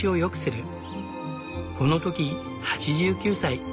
この時８９歳。